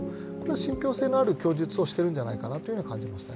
信ぴょう性のある供述をしているんではないかと。